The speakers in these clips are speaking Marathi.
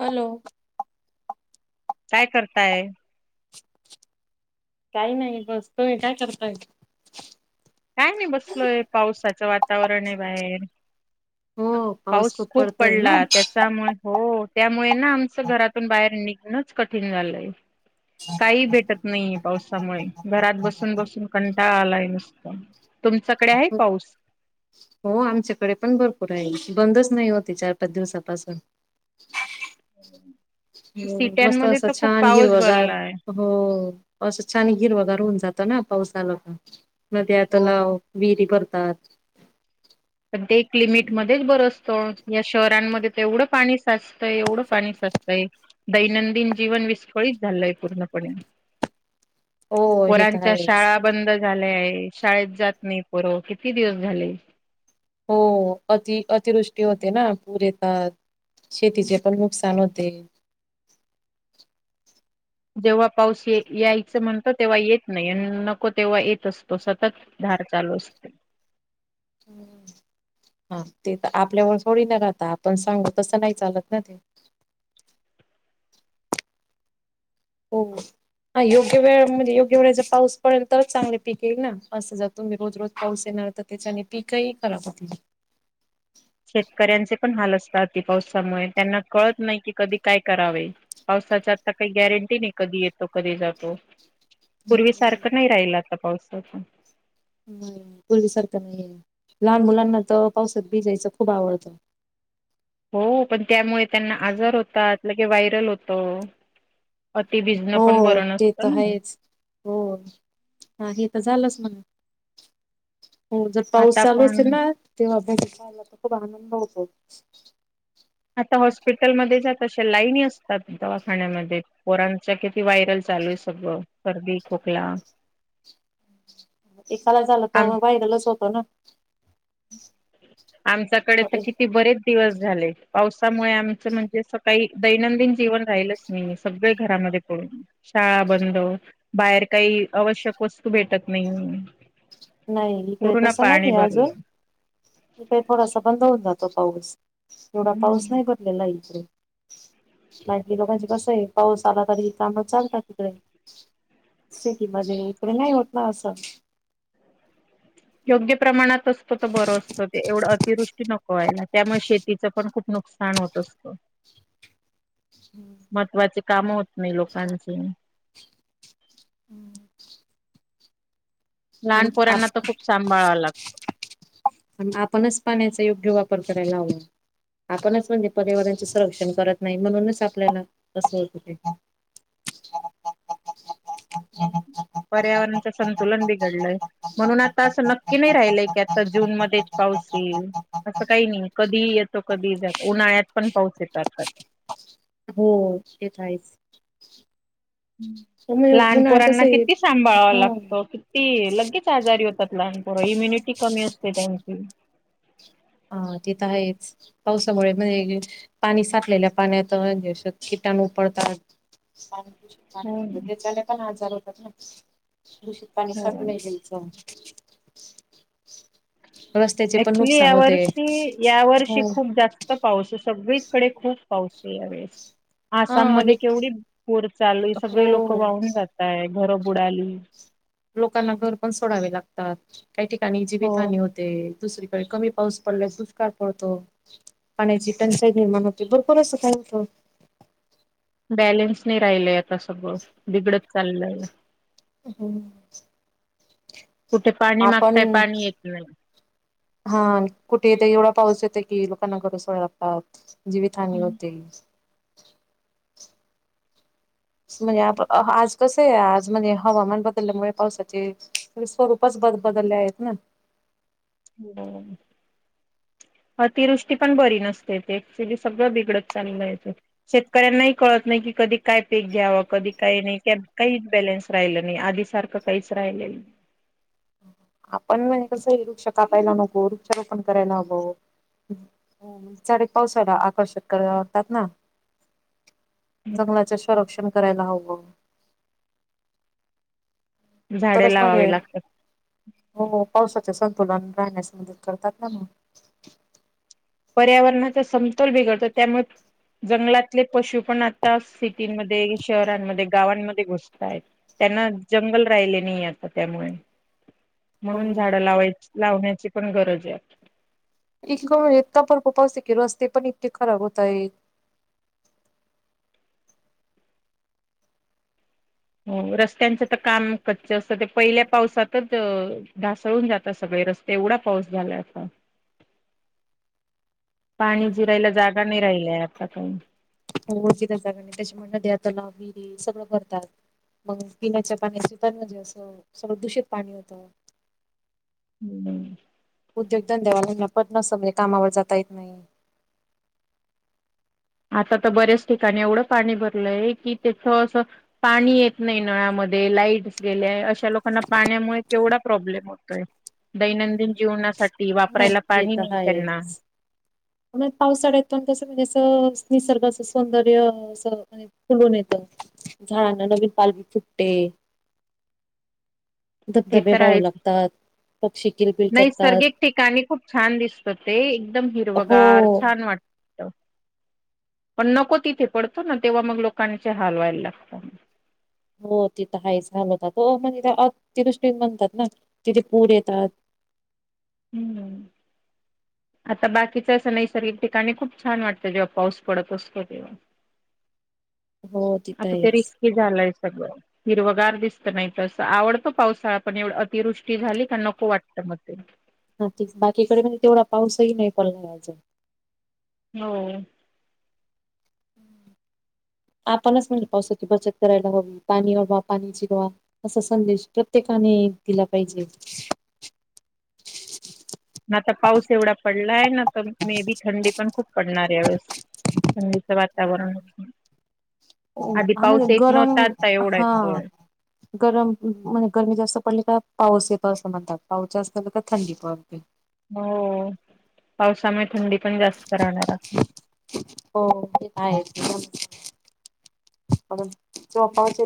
हॅलो. काय करताय? काही नाही, बसतोय, काय करताय? काय नाही बसलोय, पावसाचं वातावरण आहे बाहेर. हो पाऊस खूप पडतोय ना पडला. त्यात त्यामुळे, हो त्यामुळे ना आमचं घरातून बाहेर निघणंच कठीण झालंय. काही भेटत नाहीये पावसामुळे, घरात बसून बसून कंटाळा आलाय नुस तुमच्याकडे आहे पाऊस? हो आमच्याकडे पण भरपूर आहे, बंदच नाही होत आहे चार पाच दिवसापासून. [unintelligible] हो मस्त सिट्यांमध्ये असं तर खूप छान पाऊस हिरवगार भरलाय हो असं छान हिरवगार होऊन जातं ना पाऊस आला का. नद्या, हो. तलाव, विहिरी भरतात. पण ते एक लिमिटमध्येच बर असतं. या शहरांमध्ये तर एवढं पाणी साचतंय, एवढं पाणी साचतंय दैनंदिन जीवन विसफळीत झालाय पुर्ण पाने. हो हे तर पोरांच्या आहेच शाळा. बंद झालं आहे शाळेत जात नाही पर किती दिवस झाले. हो अति अतिवृष्टी होते ना पूर येतात. शेतीचे पण नुकसान होते. जेव्हा पाऊस यायचं म्हणतो तेव्हा येत नाही नको तेव्हा येत असतो सतत. धार चालू असते. हा तर आपल्यावर थोडी न राहता आपण सांगू तसं नाही चालत ना ते. हो. हा योग्य वेळ म्हणजे योग्य वेळे जर पाऊस पडेल तरच चांगले पिक येईल ना असं जर तुम्ही रोज रोज पाऊस येणार. तर त्याच्याने पीकही खराब होती शेतकऱ्यांचे पण हाल असतात अति पावसामुळे त्यांना कळत नाही की कधी काय करावे. पाऊसाची आता काही गॅरंटी नाही कधी येतो कधी जातो. पूर्वी सारखं नाही राहिल आता पावसा- व्हय पूर्वीसारखं नाहीये, लहान मुलांना तर पावसात भिजायचं खूप आवडतं. हो पण त्यामुळे त्यांना आजार होतात लगेच व्हायरल होतं. अति भिजणं पण हो बरं ते तर नसतं ना, आहेच. हो हा हे तर झालंच ना. हो जर पाऊस आता चालू असेल पण ना, तेव्हा भिजतात आला तर खूप आनंद होतो. आता हॉस्पिटलमध्ये जात असत्यात नाही लाईनी असतात दवाखान्यामध्ये, पोरांचा किती वायरल चालूय सगळं सर्दी खोकला. एकाला झालं तर आम व्हायरलंच होतं ना. आमच्याकडे तर किती बरेच दिवस झाले पावसामुळे आमचं म्हणजे सकाळी दैनंदिन जीवन राहिलंच. हम्म नाही सगळे घरामध्ये पडून शाळा बंद बाहेर काही आवश्यक वस्तू भेटत नाही. नाही इकडे पूर्ण तसं पाणी नाहीये अजून भरलं. इकडे थोडासा बंद होऊन जातो पाऊस, एवढा पाऊस हम्म. नाही भरलेला इकडे. [unintelligible] लोकांचे कस आहे पाऊस आला तरी काम चालतात तिकडे. शेती मध्ये इकडे नाही होत ना असं, योग्य प्रमाणात असतो तर बर असतो ते एवढं अतिवृष्टी नको व्हायला त्यामुळे शेती शेती तिचं पण खूप नुकसान होत असतं. महत्त्वाचे काम होत नाही लोकांचे. आम लहानपोरांना तर खूप सांभाळावा लागतो. आपणच पाण्याचा योग्य वापर करायला हवा. आपणच म्हणजे पर्यावरणाच संरक्षण करत नाही, म्हणूनच आपल्याला असं होत ते पर्यावरणच संतुलन बिघडलंय. म्हणून आता असं नक्की नाही राहिलंय की आता जून मध्येच पाऊस येईल. असं काही नाही कधी येतो कधी जातो उन्हाळ्यात पण पाऊच येतो आता. हो तेे तर आहेच. त्यामुळे उन्हाळा लहानपोरांना कसं आहे किती सांभाळावा हा लागतो. ती लगेच आजारी होतात लहान पोरा इम्युनिटी कमी असते त्यांची. हा ते तर आहेच. पावसामुळे म्हणजे पाणी साठलेल्या पाण्यात किटानु पडतात. पाणी दूषित पाणी हो होत. ना. त्याच्याने पण आजार होतात ना दूषित पाणी हो साठले की. रस्त्याचे पण ऍक्च्युली नुकसा या वर्षी या वर्षी खूप जास्त पाऊस आहे. सगळीचकडे खूप पाऊस आहे या वेळेस हा आसाममध्येध्ये आणि केवढी पूर चालू हो सगळे लोक वाहून जातय घरं बुडाली. लोकांना घर पण सोडावे लागतात काही ठिकाणी हो जीवित हानी होते. ते दुसरीकडे कमी पाऊस पडला दुष्काळ पडतो. पाण्याची टंचाई निर्माण होते भरपूर असं काय होतं. बॅलेन्स नाही राहिलय आता सगळं बिघडत चाललंय. हम्म कुठे पाणी आपण, मागताय पाणी येत नाही हा कुठे येत एवढा पाऊस येत की लोकांना घर सोड लागतात जीवितहानी होते. म्हणजे आप आज कसं आहे आज म्हणजे हवामान बदलल्यामुळे पावसाचे स्वरूपच ब बदलले आहेत. हो. अतिवृष्टी पण बरी नसते ते क्च्युली सगळं बिघडत चाललंय आहे ते. शेतकऱ्यांना कळत नाही की, कधी काय पीक घ्याव कधी काय नाही काही बॅलेन्स राहिलं नाही आधी सारखं काहीच राहिलं नाही. आपण कसं वृक्ष कापायला नको वृक्षारोपण करायला हवं. सारेच पावसाला आकर्षक करा लागतात ना नाही जंगलाचे संरक्षण करायला हवं झाडे तरच म दे, लावावी लागतात हो पावसाचे संतुलन राहण्यास, मदत करतात ना म पर्यावरणाचा समतोल बिघडतो, त्यामुळं जंगलातले पशु पण आता, सिटीमध्ये, शहरांमध्ये, गावांमध्ये घुसतायत. त्यांना जंगल राहिले नाही, आता त्यामुळे म्हणून, हो. झाडं लावायची- लावण्याची पण गरज आहे. इतका, इतका पडतो पाऊस हे की रस्ते पण इतके खराब होत आहेत. हो. रस्त्यांचं तर काम कच्च असतं, ते पहिल्या पावसातच ढासळून जातात सगळे रस एवढा पाऊस झालाय आत्ता. पाणी जिरायला जागा नाही राहिले आता पण. होमवर्क दिल जातं. तसे पण नद्या, तलाव, विहिरी, सगळं भरतात. मग पिण्याच्या पाण्याचे पण, म्हणजे असं, सगळं दूषित पाणी होतं. [inaudible] उद्योग धंद्यावाल्यांना पण असं म्हणजे कामावर जाता येत नाही. आता तर बऱ्याच ठिकाणी एवढं पाणी भरलंय, की तिथं असं पाणी येत नाही नळामध्ये, लाईट्स गेल्या, अशा लोकांना पाण्यामुळे केवढा प्रॉब्लेम होतोय. दैनंदिन जीवनासाठी हा वापरायला हे पाणी तर नाही त्यांना. आहेच. पावसाळ्यात पण कसं म्हणजे असं निसर्गाच सौंदर्य असं म्हणजे फुलून येत. झाडांना नवीन पालवी फुटते. [inaudible] ते धबधबे तर वाहू आहेच लागतात, पक्षी किलबिल करतात. नैसर्गिक ठिकाणी खूप छान दिसतं ते, एकदम हो हिरवगार छान वाट पण नको तिथे पडतो ना, तेव्हा मग लोकांचे हाल व्हायला लागतात. हो ते तर आहेच हाल होतात. हो म्हण ते अतिवृष्टी म्हणतात ना तिथे पूर येतात. हो ना. आता बाकीच असं नैसर्गिक ठिकाणी खूप छान वाटतं, जेव्हा पाऊस पडत असतो तेव्हा. हो तिथं आता ते आहेच रिस्की झालंय सगळं. हिरवगार दिसत नाही तर असं. आवडतं पावसाळा, पण एवढ अतिवृष्टी झाली का नको वाटतं मग ते. हा तेच बाकीकडे म्हणजे तेवढा पाऊसही नाही पडला अजून. हो. आपणच म्हटलं पावसाची बचत करायला हवी. पाणी आढवा, पाणी जिरवा. असा संदेश प्रत्येकाने दिला पाहिजे. आता पाऊस एवढा पडला आहे ना, तर मे बी थंडी पण खूप पडणार आहे यावेळेस. थंडी वातावरण आधी हा म्हणजे पाऊस येत नव्हता गरम आता एवढा हा येतोय. गरम म्हणे गरमी जास्त पडली का पाऊस येतोय असं म्हणतात पाऊस जास्त झाला तर थंडी पडते. हो पावसामुळे थंडी पण जास्त राहणार आता. हॊ तरं आहेच. आपण जोपायचा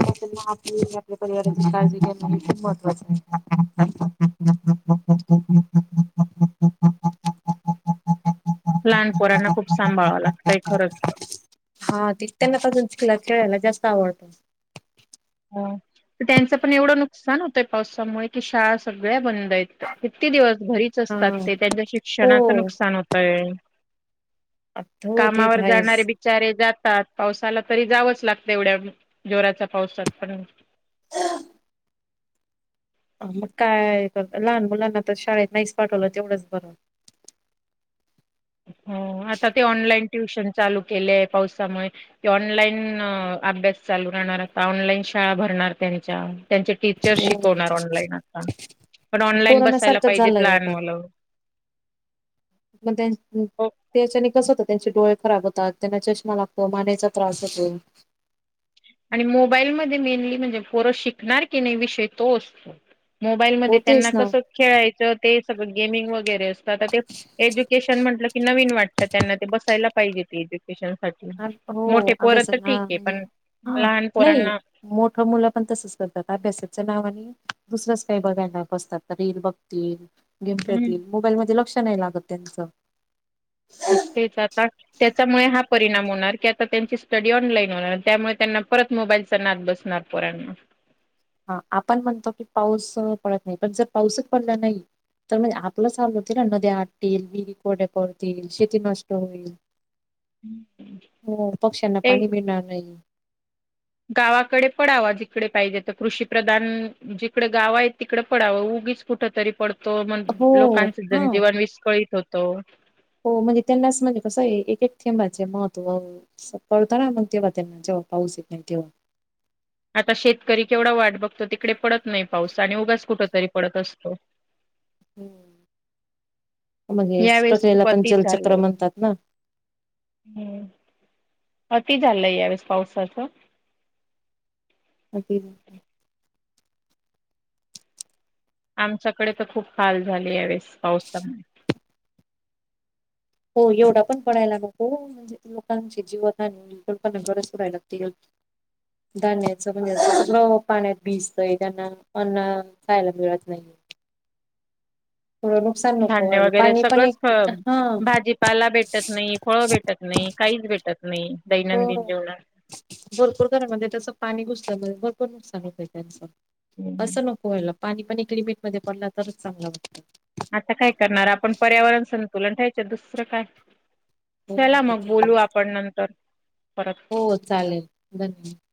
आपली आपल्या परिवाराची काळजी घेणं खूप महत्त्वाचं आहे. [unintelligible] लहानपोरांना खूप सांभाळाव लागतंय खरंच. हा ते त्यांना कसं चिखलात खेळायला जास्त आवडतं. ह तर त्यांचं पण एवढं नुकसान होतंय पावसामुळे की शाळा सगळ्या बंद आहेत किती दिवस घरी. असतात हा ते त्यांच्या शिक्षणाचं हो नुकसान होतंय. हो ते कामावर तर जाणारे बी आहेच. बीचारे जातात पाऊस आला तरी जावंच लागतं एवढ्या जोराच्या पावसात पण. मग काय कर लहान मुलांना तर शाळेत नाहीच पाठवलं तेवढंच बरं. हो आता ते ऑनलाईन ट्युशन चालू केलेय पावसामुळे. कि ऑनलाईन अभ्यास चालू राहणार आता ऑनलाईन शाळा भरणार त्यांच्या. त्यांचे टीचर हो. शिकवणार ऑनलाईन आता पण ऑनलाईन कोरोना बसायला सारखंच पाहिजे झालंय लहान आता मुलं. पण हो त्याच्याने कस होत त्यांचे डोळे खराब होतात. त्यांना चष्मा लागतो मानेचा त्रास होतो. आणि मोबाईलमध्ये मेनली म्हणजे पोरं शिकणार की नाही विषय तो असतो. मोबाईलमध्ये होतेच त्यांना ना कसं खेळायचं ते सगळं गेमिंग वगैरे असतं ते. एज्युकेशन म्हटलं की नवीन वाटतं त्यांना ते बसायला पाहिजेत. ट्युशन साठी मोठे हो अभ्यास पोरंतर ठीक हा आहे पण लहान पोरांना मोठं मुलं पण तसंच करतात अभ्यासाच्या नावाने दुसरंच काही बघायला बसतात रील बघतील. गेम हम्म खेळतील मोबाईल मध्ये लक्ष नाही लागत त्यांचं. तेच आता त्याच्यामुळे हा परिणाम होणार की आता त्यांची स्टडी ऑनलाईन होणार त्यामुळे त्यांना परत मोबाईलचा नाद बसणार. पोरांना हा आपण म्हणतो की पाऊस पडत नाही पण जर पाऊसच पडला नाही. तर म्हणजे आपलं हाल होते ना नद्या आटतील विहिरी कोरड्या पडतील शेती नष्ट होईल. हो पक्ष्यांना ते पाणी मिळणार नाही. गावाकडे पडावा जिकडे पाहिजे तर कृषी प्रधान जिकडे गाव आहेत तिकडे पडावं उगीच. कुठ तरी पडतो मग हो लोकांचं हा जनजीवन विस्कळीत होतो. हो म्हणजे त्यांनाच म्हणजे कसं आहे एक एक थेंबाचे महत्त्व. कळत ना मग तेव्हा त्यांना जेव्हा पाऊस येत नाही तेव्हा आता शेतकरी केवढा वाट बघतो तिकडे पडत नाही पाऊस आणि उगास कुठ तरी पडत असतो. हा मग हेच यावेेळेस प्रक्रियेला खूप पण अति जलचक्र झालं म्हणतात ना. हम्म अति झालंय यावेळेस पावसाचं. अति झालंय. आमच्याकडे तर खूप हाल झाले या वेळेस पावसामुळे. हो एवढा पण पडायला नको. लोकांची [unintelligible] लागतील. धान्याचं म्हणजे सगळं पाण्यात भिजतंय. त्यांना पण खायला मिळत नाहीये. नुकसान नको धान्य व्हायला वगैरे पाणी पण सगळंच एक हा भाजी पाला भेटत नाही, फळं भेटत नाही, काहीच भेटत नाही हो दैनंदिन जेवणात. भरपूर खर म्हणजे त्याचं पाणी घुसल्यामुळे भरपूर नुकसान होतय त्यांचं. असं नको व्हायला. पाणी पण एक लिमिटमध्ये पडला तरच चांगला वाटतो. आता काय करणार आपण पर्यावरण संतुलन ठेवायचं दुसरं काय. हो चला ते मग तर बोलू आहेच आपण नंतर परत. हो चालेल. धन्यवाद.